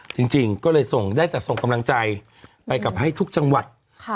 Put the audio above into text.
จริงจริงก็เลยส่งได้แต่ส่งกำลังใจไปกับให้ทุกจังหวัดค่ะ